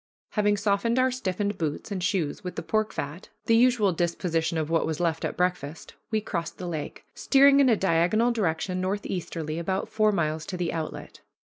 Having softened our stiffened boots and shoes with the pork fat, the usual disposition of what was left at breakfast, we crossed the lake, steering in a diagonal direction northeastly about four miles to the outlet.